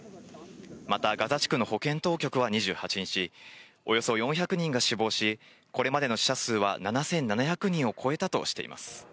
また、ガザ地区の保健当局は２８日、およそ４００人が死亡し、これまでの死者数は７７００人を超えたとしています。